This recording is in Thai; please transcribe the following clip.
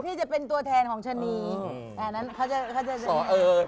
พี่จะเป็นตัวแทนของชะนี